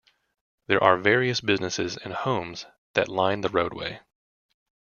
There are various businesses and homes that line the roadway.